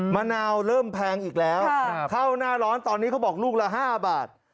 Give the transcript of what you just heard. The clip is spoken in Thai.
มะนาวเริ่มแพงอีกแล้วเข้าหน้าร้อนตอนนี้เขาบอกลูกละ๕บาท